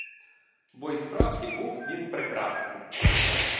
Бо й справді був він прекрасний.